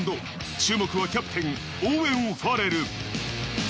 注目はキャプテン、オーウェン・ファレル。